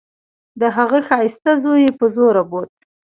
د هغه ښايسته زوى يې په زوره بوت.